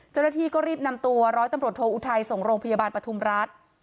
เจ้าหน้าที่ก็รีบนำตัวร้อยตำรวจโทอุทัยส่งโรงพยาบาลปฐุมรัฐ